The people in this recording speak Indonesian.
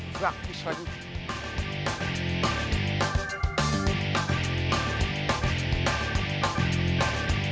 serah bisa juga